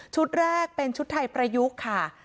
แรกเป็นชุดไทยประยุกต์ค่ะ